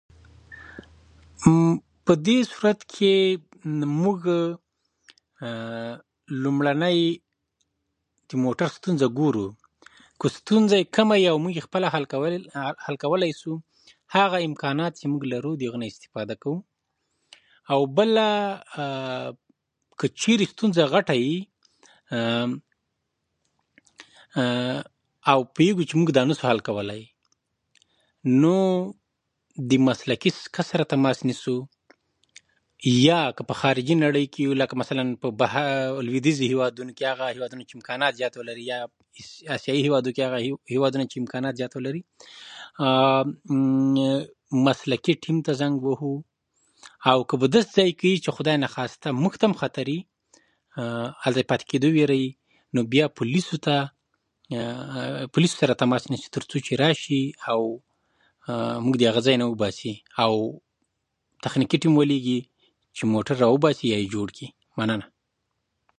په پښتنو کې د مېلمه پالنې دود دومره پخواني او ژور دی، چې هر لاروی که په هر وخت کې د چا کور ته ورشي په ورين تندي ورته ښه راغلاست ويل کیږي